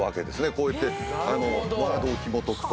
こうやってワードをひもとくと。